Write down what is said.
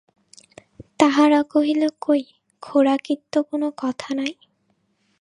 তাহারা কহিল–কই, খোরাকির তো কোনো কথা নাই।